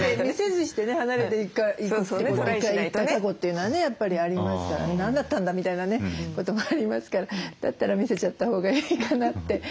見せずして離れていかれた過去というのはねやっぱりありますから「何だったんだ」みたいなねこともありますからだったら見せちゃったほうがいいかなって。